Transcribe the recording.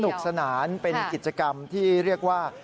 สนานเป็นกิจกรรมที่เรียกว่า